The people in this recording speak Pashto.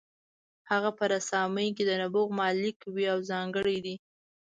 هغه په رسامۍ کې د نبوغ مالک وي او ځانګړی دی.